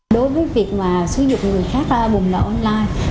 đối với việc xử dụng người khác bùng lợi online